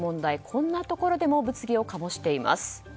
こんなところでも物議を醸しています。